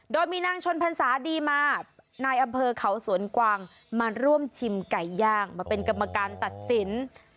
โดยมีนางชนพรรษาดีมานายอำเภอเขาสวนกวางมาร่วมชิมไก่ย่างมาเป็นกรรมการตัดสิน